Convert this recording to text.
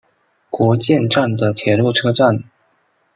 国见站的铁路车站。